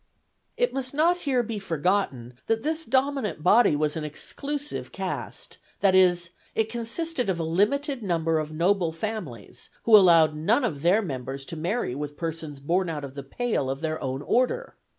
It must not here be forgotten that this dominant body was an exclusive caste; that is, it consisted of a limited number of noble families, who allowed none of their members to marry with persons born out of the pale of their own order.